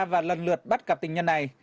và lần lượt bắt cặp tình nhân